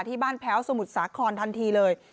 ที่บ้านแพ้วสมุทรสาครทันทีเลย